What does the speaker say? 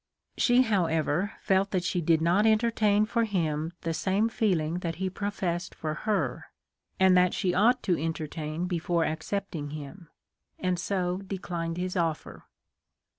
She, however, felt that she did not entertain for him the same feeling that he professed for her and that she ought to entertain before accepting him, and so declined his offer.